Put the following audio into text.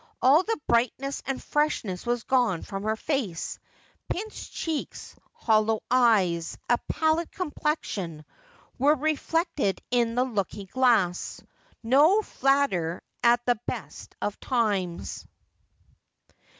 All the brightness and freshness was gone from her face. Pinched cheeks, hollow 348 Just as I Am. eyes, a pallid complexion, were reflected in the looking glass — no flatterer at the best of times.